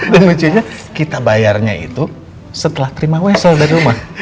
dan lucunya kita bayarnya itu setelah terima wesel dari rumah